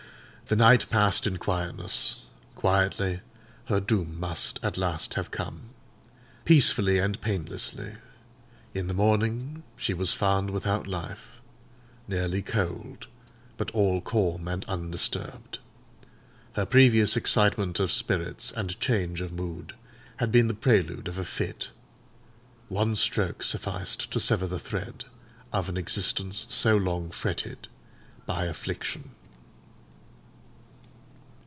The night passed in quietness; quietly her doom must at last have come: peacefully and painlessly: in the morning she was found without life, nearly cold, but all calm and undisturbed. Her previous excitement of spirits and change of mood had been the prelude of a fit; one stroke sufficed to sever the thread of an existence so long fretted by affliction.